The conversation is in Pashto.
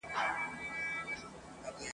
ميخانه راڅخه غواړي